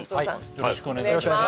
よろしくお願いします